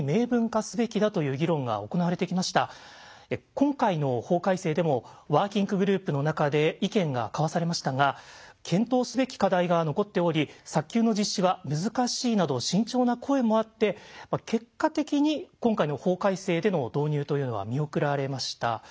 今回の法改正でもワーキンググループの中で意見が交わされましたが「検討すべき課題が残っており早急の実施は難しい」など慎重な声もあって結果的に今回の法改正での導入というのは見送られました。